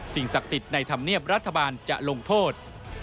สิ่งศักดิ์สิทธิ์ในธรรมเนียบรัฐบาลจะลงโทษ